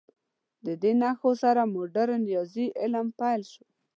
د دې نښو سره مډرن ریاضي علم پیل شو.